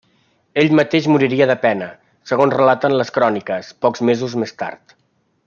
Ell mateix moriria de pena, segons relaten les cròniques, pocs mesos més tard.